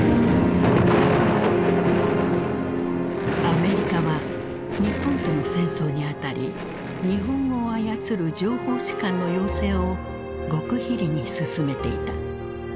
アメリカは日本との戦争にあたり日本語を操る情報士官の養成を極秘裏に進めていた。